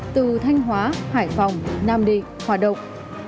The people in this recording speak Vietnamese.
từ thanh hóa hải phòng nam định hoạt động